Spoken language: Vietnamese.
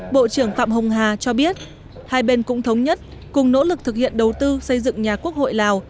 bộ trưởng phạm hồng hà cho biết hai bên cũng thống nhất cùng nỗ lực thực hiện đầu tư xây dựng nhà quốc hội lào